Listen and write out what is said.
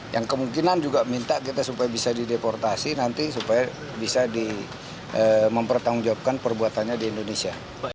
yang kemungkinan juga minta kita supaya bisa dideportasi nanti supaya bisa mempertanggungjawabkan perbuatannya di indonesia